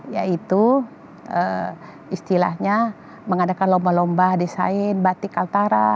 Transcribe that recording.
yaitu istilahnya mengadakan lomba lomba desain batik kaltara